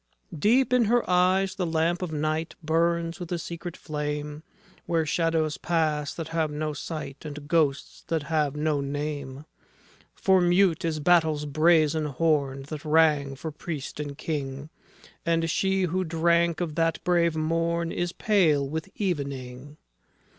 Deep in her eyes the lamp of night Burns with a secret flame, Where shadows pass that have no sight, And ghosts that have no name. For mute is battle's brazen horn That rang for Priest and King, And she who drank of that brave morn Is pale with evening.